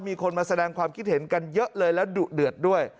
มีคนมาแสดงความคิดเห็นกันเยอะเลยและดุเดือดด้วย